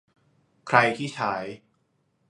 ใครที่ใช้